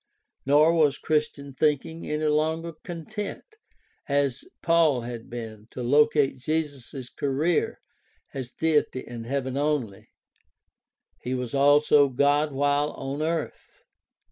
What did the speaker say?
Nor was Christian thinking any longer content as Paul had been to locate Jesus' career as Deity in heaven only; he was also God while on earth.